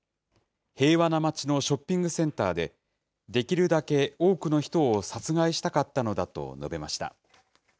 平和な街のショッピングセンターで、できるだけ多くの人を殺害したかったのだと述べました。